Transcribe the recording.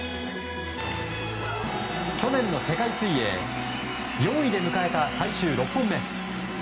去年の世界水泳４位で迎えた最終６本目。